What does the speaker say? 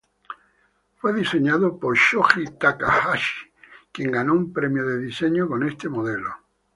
Fue diseñado por Shoji Takahashi, quien ganó un premio de diseño con este modelo.